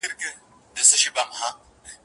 د ډهلي ښار او بازار یې چور تالان کړ